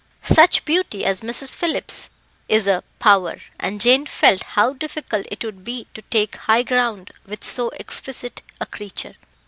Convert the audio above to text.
Such beauty as Mrs. Phillips's is a power, and Jane felt how difficult it would be to take high ground with so exquisite a creature.